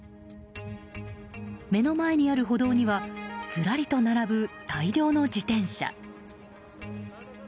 目の前にある歩道にはずらりと並ぶ大量の自転車。